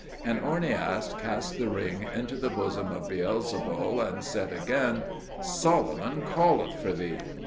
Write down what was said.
And Ornias cast the ring into the bosom of Beelzebul, and said again, "Solomon calleth for thee."